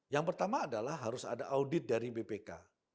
yang pertama adalah harus ada audit dari bpk